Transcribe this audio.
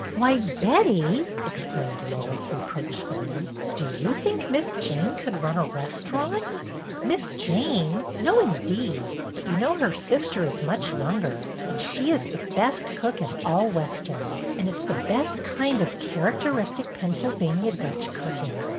"'' "Why, Betty," exclaimed Lois, reproach fully, "do you think Miss Jane could run a restaurant ?" "Miss Jane! No, indeed. But you know her sister is much younger, and she is the best cook in all Weston, and it 's the best kind of characteristic Pennsylvania Dutch cooking.